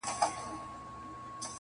خپل ټبرشو را په یاد جهان مي هیر سو٫